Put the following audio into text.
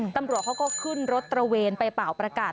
ตำรวจเขาก็ขึ้นรถตระเวนไปเป่าประกาศ